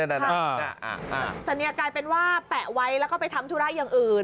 แต่นี่กลายเป็นแปะไว้หรือไปทำทุราตอย่างอื่น